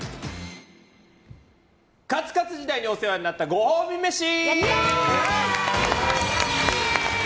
カツカツ時代にお世話になったご褒美飯。